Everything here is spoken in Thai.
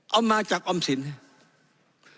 เอามาจากออมสินครับ